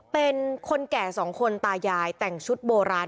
เป็นคนแก่สองคนตายายแต่งชุดโบราณ